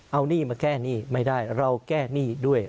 เอาหนี้มาแก้หนี้ไม่ได้เราแก้หนี้ด้วย